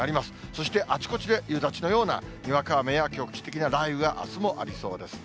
そして、あちこちで夕立のようなにわか雨や局地的な雷雨があすもありそうです。